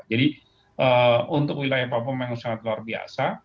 jadi untuk wilayah papua memang sangat luar biasa